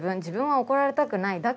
自分は怒られたくない。